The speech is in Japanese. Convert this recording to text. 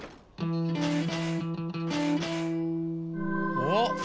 おっ！